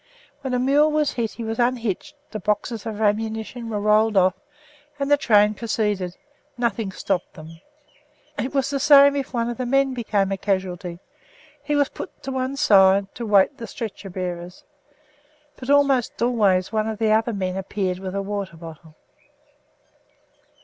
When a mule was hit he was unhitched, the boxes of ammunition were rolled off, and the train proceeded; nothing stopped them. It was the same if one of the men became a casualty; he was put on one side to await the stretcher bearers but almost always one of the other men appeared with a water bottle.